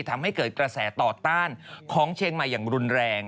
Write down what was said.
ทำให้เกิดกระแสต่อต้านของเชียงใหม่อย่างรุนแรง